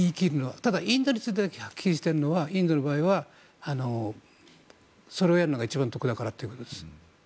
ただ、インドについてはっきりしているのはインドの場合は、そろえるのが一番得だからということです。